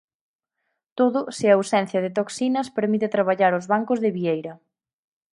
Todo se a ausencia de toxinas permite traballar os bancos de vieira.